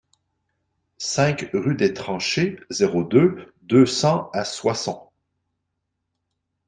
cinq rue des Tranchées, zéro deux, deux cents à Soissons